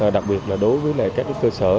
đặc biệt là đối với các cơ sở